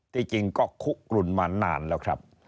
จริงก็คุกกลุ่นมานานแล้วครับ